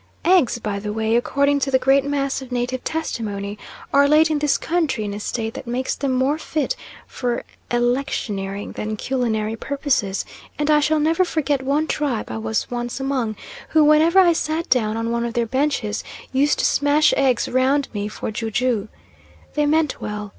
Eggs, by the way, according to the great mass of native testimony, are laid in this country in a state that makes them more fit for electioneering than culinary purposes, and I shall never forget one tribe I was once among, who, whenever I sat down on one of their benches, used to smash eggs round me for ju ju. They meant well.